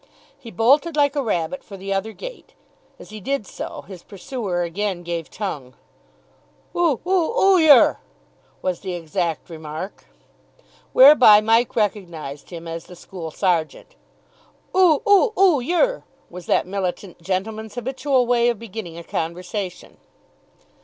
He bolted like a rabbit for the other gate. As he did so, his pursuer again gave tongue. "Oo oo oo yer!" was the exact remark. Whereby Mike recognised him as the school sergeant. "Oo oo oo yer!" was that militant gentleman's habitual way of beginning a conversation.